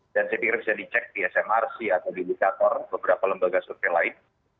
dan saya pikir bisa dicek di smrc atau di indikator beberapa lembaga survei lain